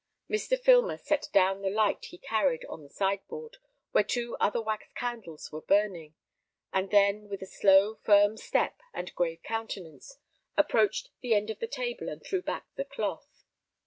Mr. Filmer set down the light he carried on the side board, where two other wax candles were burning; and then, with a slow, firm step, and grave countenance, approached the end of the table, and threw back the cloth.